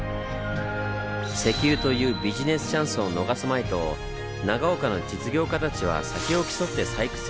石油というビジネスチャンスを逃すまいと長岡の実業家たちは先を競って採掘を行いました。